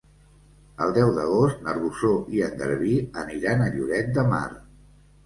El deu d'agost na Rosó i en Garbí aniran a Lloret de Mar.